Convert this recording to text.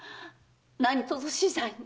なにとぞ死罪に！